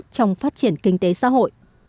trong phát triển kinh tế xã hội